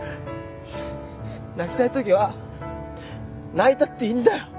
泣きたいときは泣いたっていいんだよ。